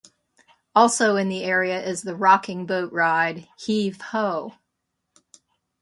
Also in the area is the rocking boat ride, "Heave Ho".